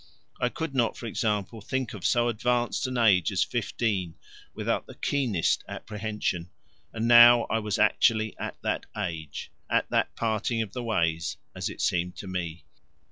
I could not, for example, think of so advanced an age as fifteen without the keenest apprehension. And now I was actually at that age at that parting of the ways, as it seemed to me.